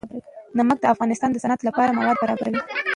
نمک د افغانستان د صنعت لپاره مواد برابروي.